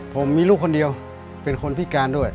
ผมมีลูกคนเดียวเป็นคนพิการด้วย